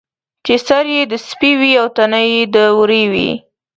چې سر یې د سپي وي او تنه یې د وري وي.